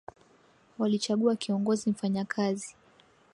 walichagua kiongozi mfanya kazi